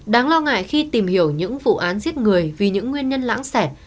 đáng lo ngại khi tìm hiểu những vụ án giết người vì những nguyên nhân lãng xẻ